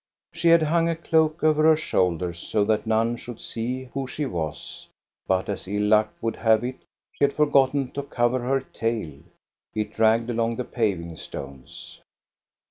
She had hung a cloak over her shoulders so that none should see who she was; but as ill luck would KEVENHULLER 4^9 have it, she had forgotten to cover her tail. It dragged along the paving stones.